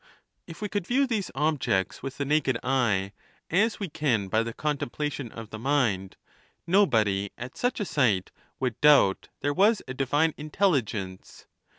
If we could view these objects with the naked eye, as we can by the contemplation of the mind, nobody, at such a sight, would doubt there was a divine intelligence.